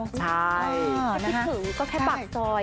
ใช่ถ้าที่ถือก็แค่ปักจอย